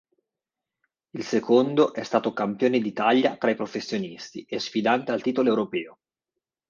Il secondo è stato campione d'Italia tra i professionisti e sfidante al titolo europeo.